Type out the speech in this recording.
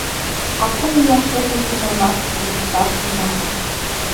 А кум ияш эргым тунамак йыҥысаш тӱҥалын: